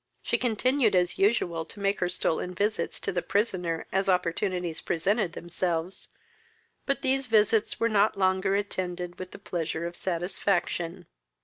She continued, as usual, to make her stolen visits to the prisoner as opportunities presented themselves; but these visits were not longer attended with the pleasure of satisfaction.